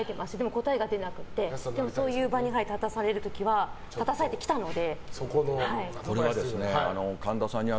答えが出なくてそういう場に立たされてきたので。